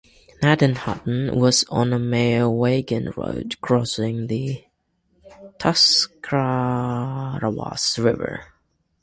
Gnadenhutten was on a major wagon road crossing the Tuscarawas River.